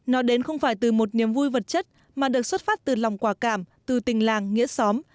nó đến không phải từ một niềm vui vật chất mà được xuất phát từ lòng quả cảm từ tình làng nghĩa xóm